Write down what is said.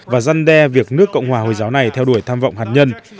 và răn đe việc nước cộng hòa hồi giáo này theo đuổi tham vọng hạt nhân